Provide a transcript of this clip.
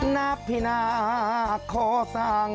นาพินาโคสัง